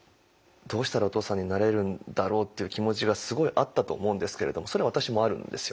どうしたらお父さんになれるんだろうっていう気持ちがすごいあったと思うんですけれどもそれは私もあるんですよね。